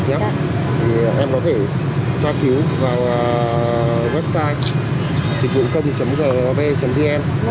em có thể tra cứu vào website dịchvụcông gov vn